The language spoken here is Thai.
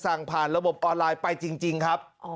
สั่งผ่านระบบออนไลน์ไปจริงครับ